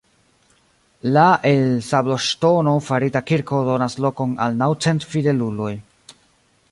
La el sabloŝtono farita kirko donas lokon al naŭ cent fideluloj.